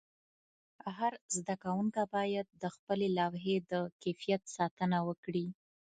هر زده کوونکی باید د خپلې لوحې د کیفیت ساتنه وکړي.